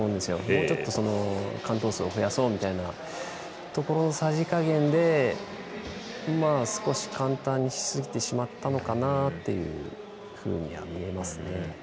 もうちょっと、完登数を増やそうみたいなところのさじ加減で少し簡単にしすぎてしまったのかなというふうには見えますね。